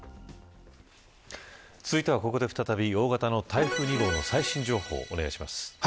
続いてはここで再び大型の台風２号の最新情報お願いします。